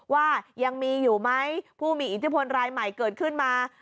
ว่ายังมีอยู่ไหมผู้มีอิทธิพลรายใหม่เกิดขึ้นมา